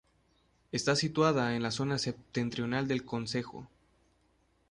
Está situada en la zona septentrional del concejo.